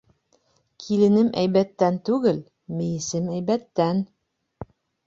Киленем әйбәттән түгел, мейесем әйбәттән.